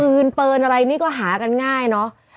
ปืนปืนอะไรนี่ก็หากันง่ายเนอะ